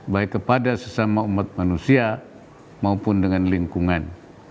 baik kepada sesama umat manusia maupun dengan lingkungan